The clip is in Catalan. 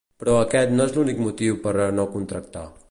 Però aquest no és l’únic motiu per a no contractar.